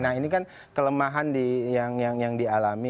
nah ini kan kelemahan yang dialami